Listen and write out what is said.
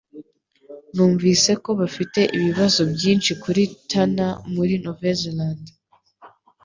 Numvise ko bafite ibibazo byinshi kuri tunel muri NouvelleZélande